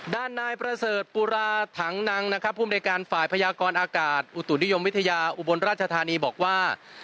ด้านนายพระเศรษฐ์ปุราธังนังผู้บริการฝ่ายพญากรอากาศอุตุนิยมวิทยาอุบลราชธานีบอกว่า